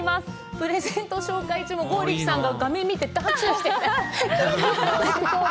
プレゼント紹介中も剛力さんが画面見て拍手してくれて。